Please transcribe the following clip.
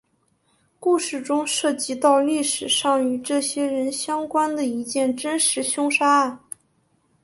故事中涉及到历史上与这些人相关的一件真实凶杀案。